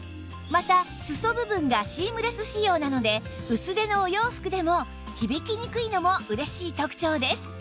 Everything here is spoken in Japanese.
また裾部分がシームレス仕様なので薄手のお洋服でも響きにくいのも嬉しい特徴です